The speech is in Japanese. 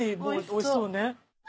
おいしそう。